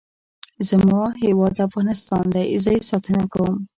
زما هیواد افغانستان دی. زه یې ساتنه کوم.